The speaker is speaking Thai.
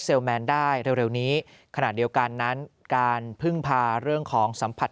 แมนได้เร็วนี้ขณะเดียวกันนั้นการพึ่งพาเรื่องของสัมผัส